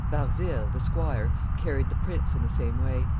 Barville, the squire, carried the prince in the same way.